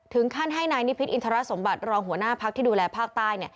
ท่านให้นายนิพิษอินทรสมบัติรองหัวหน้าพักที่ดูแลภาคใต้